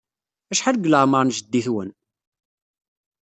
Acḥal deg leɛmeṛ n jeddi-twen?